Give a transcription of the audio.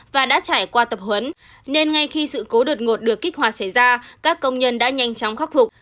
và đã trải qua tập huấn nên ngay khi sự cố đột ngột được kích hoạt xảy ra các công nhân đã nhanh chóng khắc phục